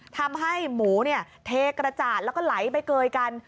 ทำให้หมูเทกระจาดแล้วก็ไหลไปเกยกัน